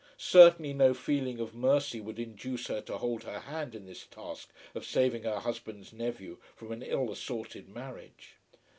Certainly no feeling of mercy would induce her to hold her hand in this task of saving her husband's nephew from an ill assorted marriage.